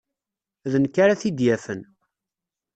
D nekk ara t-id-yafen.